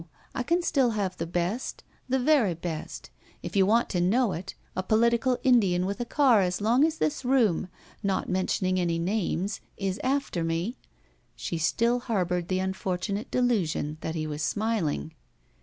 I can still have the best. The very best. If you want to know it, a political Indian with a car as long as this room, not mentioning any names, is after me —" She still harbored the unfortunate delusion that he was smiling.